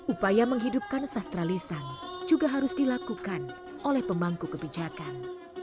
upaya menghidupkan sastralisan juga harus dilakukan oleh pemangku kebijakan